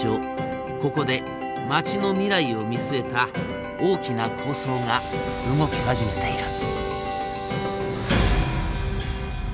ここで町の未来を見据えた大きな構想が動き始めている。